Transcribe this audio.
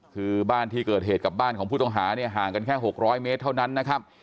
คือบ้านที่เกิดเหตุกับบ้านของผู้ต้องหาเนี่ยห่างกันแค่๖๐๐เมตรเท่านั้นนะครับ